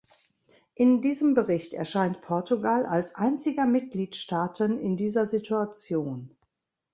In diesem Bericht erscheint Portugal als einziger Mitgliedstaaten in dieser Situation!